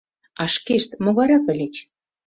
— А шкешт могайрак ыльыч?